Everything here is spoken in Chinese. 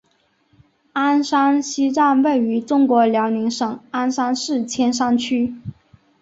鞍山西站位于中国辽宁省鞍山市千山区。